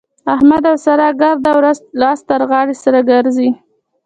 احمد او سارا ګرده ورځ لاس تر غاړه سره ګرځي.